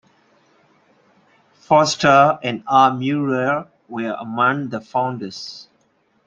Foster and R. Murrell were among the founders.